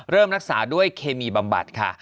รักษาด้วยเคมีบำบัดค่ะ